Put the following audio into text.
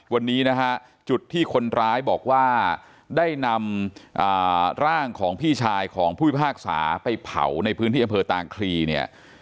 วันนี้นะฮะจุดที่คนร้ายบอกว่าได้นำร่างของพี่ชายของผู้พิพากษาไปเผาในพื้นที่อำเภอตางคลีเนี่ย